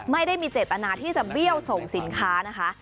ไม่ได้มีเจตนาที่จะเบี้ยวส่งสินค้านะคะ